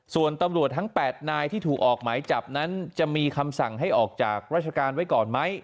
ส่วนตำรวจทั้ง๘นายที่ถูกออกหมายจับนั้นจะมีคำสั่งให้ออกจากราชการไว้ก่อนไหม